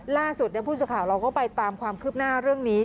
ล่าสุดผู้สื่อข่าวเราก็ไปตามความคืบหน้าเรื่องนี้